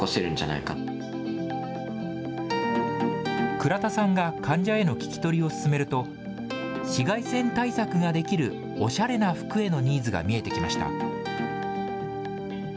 倉田さんが患者への聞き取りを進めると、紫外線対策ができるおしゃれな服へのニーズが見えてきました。